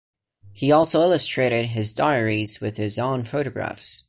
He also illustrated his diaries with his own photographs.